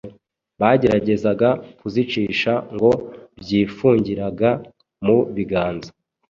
bageragezaga kuzicisha ngo byifungiraga mu biganza.